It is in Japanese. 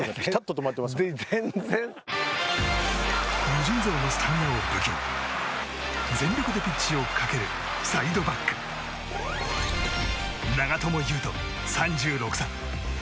無尽蔵のスタミナを武器に全力でピッチを駆けるサイドバック長友佑都、３６歳。